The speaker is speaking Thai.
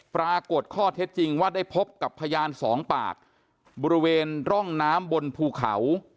ปรากฏข้อเท็จจริงว่าได้พบกับพยานสองปากบริเวณร่องน้ำบนภูเขา